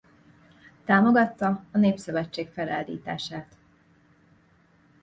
Támogatta a Népszövetség felállítását.